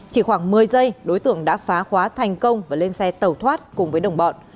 chỉ khoảng một mươi giây đối tượng đã phá khóa thành công và lên xe tàu thoát cùng với đồng bọn